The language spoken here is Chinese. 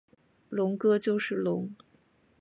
龙哥就是龙！